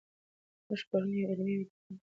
موږ پرون یوه علمي ویډیو وکتله.